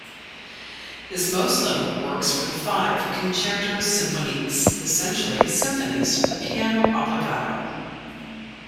His most notable works were the five "concertos symphoniques", essentially symphonies with piano obbligato.